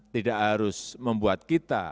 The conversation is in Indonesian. tidak harus membuat kita